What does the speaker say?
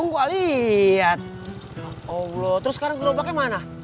ya allah terus sekarang gerobaknya mana